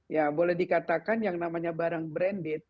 ya boleh dikatakan yang namanya barang branded